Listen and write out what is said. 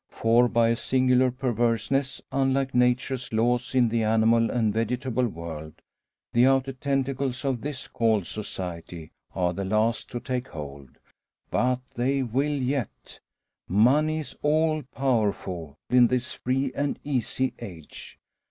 For by a singular perverseness unlike Nature's laws in the animal and vegetable world the outer tentacles of this called "Society" are the last to take hold. But they will yet. Money is all powerful in this free and easy age.